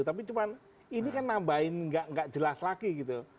tapi ini kan nambahin gak jelas lagi gitu